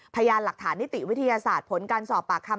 พยานหลักฐานนิติวิทยาศาสตร์ผลการสอบปากคำ